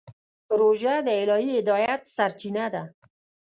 روژه د الهي هدایت سرچینه ده.